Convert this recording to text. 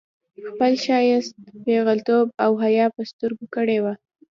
خپل ښايیت، پېغلتوب او حيا په ستر کړې وه